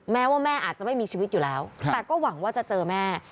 แม้ว่าแม่อาจจะไม่มีชีวิตอยู่แล้วแต่ก็หวังว่าจะเจอแม่